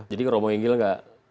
jadi kromo inggil nggak